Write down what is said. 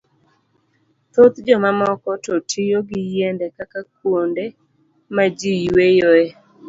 Thoth jomamoko to tiyo gi yiende kaka kuonde ma ji yueyoe.